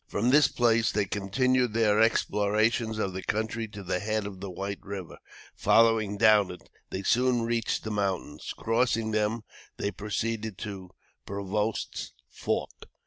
From this place they continued their explorations of the country to the head of White River. Following down it, they soon reached the mountains. Crossing them, they proceeded to Prevost's Fork.